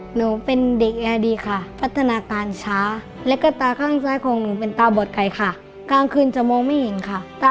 หนูเป็นเด็กยาดีค่ะพัฒนาการช้าแล้วก็ตาข้างซ้ายของหนูเป็นตาบอดไก่ค่ะ